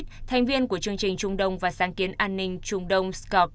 kamian arpit thành viên của chương trình trung đông và sáng kiến an ninh trung đông